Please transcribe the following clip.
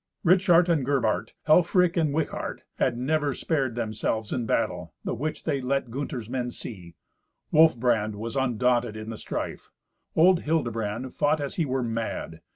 Ritschart and Gerbart, Helfrich and Wichart, had never spared themselves in battle, the which they let Gunther's men see. Wolfbrand was undaunted in the strife. Old Hildebrand fought as he were mad.